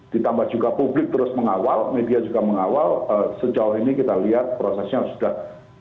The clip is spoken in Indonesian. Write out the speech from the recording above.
ditambah juga publik terus mengawal media juga mengawal sejauh ini kita lihat prosesnya sudah